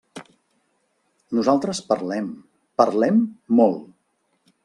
Nosaltres parlem, parlem molt.